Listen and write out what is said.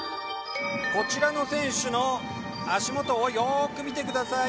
こちらの選手の足元をよーく見てください。